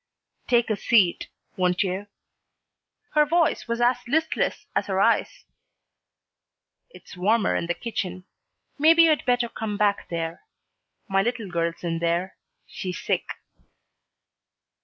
"Take a seat, won't you?" Her voice was as listless as her eyes. "It's warmer in the kitchen. Maybe you'd better come back there. My little girl's in there. She's sick."